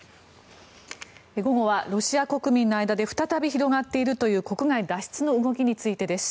午後はロシア国民の間で再び広がっているという国外脱出の動きについてです。